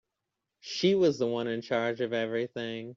She was the one in charge of everything.